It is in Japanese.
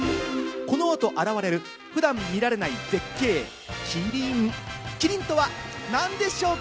この後現れる普段見られない絶景・キリンとは何でしょうか？